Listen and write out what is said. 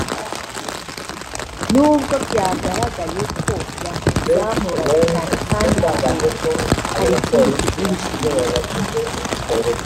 n’ubwo byagaragaye ko yamuzamuraga cyane kandi mu gihe gito hari ikindi kibyihishe inyuma